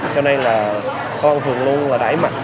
cho nên là con thường luôn đẩy mạnh